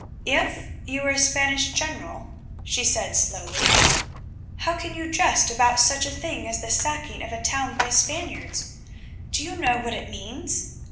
"If you were a Spanish general," she said slowly. "How can you jest about such a thing as the sacking of a town by Spaniards? Do you know what it means?